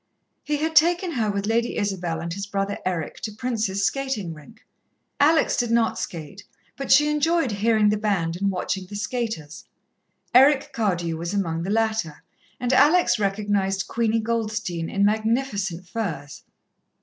He had taken her with Lady Isabel and his brother Eric to Prince's skating rink. Alex did not skate, but she enjoyed hearing the band and watching the skaters. Eric Cardew was among the latter, and Alex recognized Queenie Goldstein, in magnificent furs.